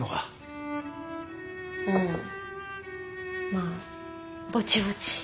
うんまあぼちぼち。